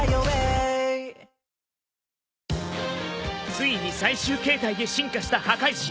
ついに最終形態で進化した破壊神。